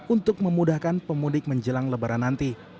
untuk memudahkan pemudik menjelang lebaran nanti